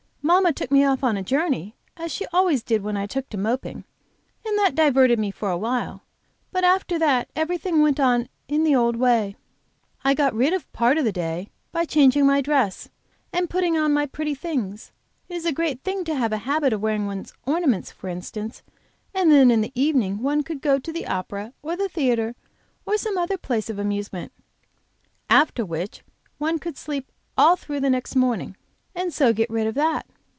Mamma took me off on a journey, as she always did when I took to moping, and that diverted me for a while. But after that everything went on in the old way. I got rid of part of the day by changing my dress, and putting on my pretty things it is a great thing to have a habit of wearing one's ornaments, for instance; and then in the evening one could go to the opera or the theater, or some other place of amusement, after which one could sleep all through the next morning, and so get rid of that.